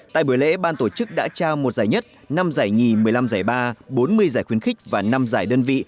tại buổi lễ ban tổ chức đã trao một giải nhất năm giải nhì một mươi năm giải ba bốn mươi giải khuyến khích và năm giải đơn vị